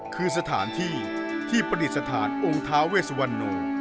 คือสถานที่ที่ประดิษฐานองค์ท้าเวสวันโน